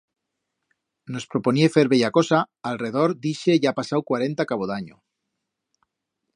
Nos proponié fer bella cosa alredor d'ixe ya pasau cuarenta cabo d'anyo.